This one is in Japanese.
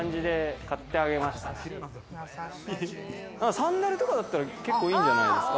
サンダルとかだったら、結構いいんじゃないですか。